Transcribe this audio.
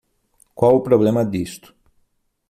Qual o problema disto